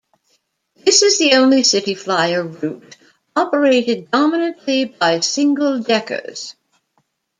This is the only Cityflyer route operated dominantly by single deckers.